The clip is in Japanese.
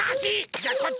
じゃこっち！